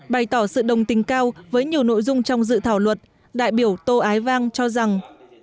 bày tỏ sự đồng tình cao với nhiều nội dung trong dự thảo luật đại biểu tô ái vang cho rằng